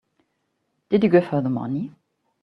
Did you give her the money?